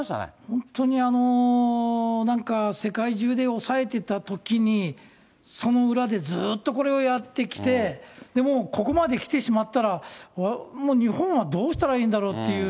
本当に、なんか世界中で抑えてたときにその裏でずっとこれをやって来て、もうここまで来てしまったら、もう日本はどうしたらいいんだろうっていう。